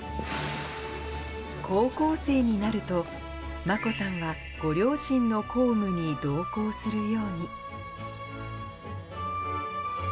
高校生になると、眞子さんはご両親の公務に同行するように。